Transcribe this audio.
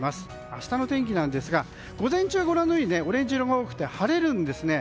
明日の天気なんですが午前中オレンジ色が多くて晴れるんですね。